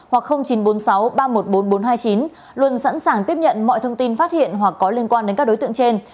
hoặc chín trăm bốn mươi sáu ba trăm một mươi bốn nghìn bốn trăm hai mươi chín luôn sẵn sàng tiếp nhận mọi thông tin phát hiện hoặc có liên quan đến các đối tượng trên